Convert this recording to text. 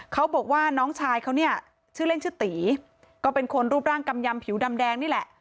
เขาบอกว่าน้องชายเขาเนี่ยชื่อเล่นชื่อตีก็เป็นคนรูปร่างกำยำผิวดำแดงนี่แหละ